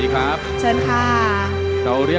เพราะฉะนั้นเราทำกันเนี่ย